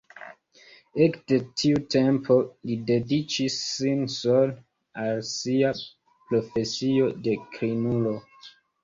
Ekde tiu tempo li dediĉis sin sole al sia „profesio“ de krimulo.